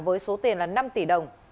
với số tiền năm tỷ đồng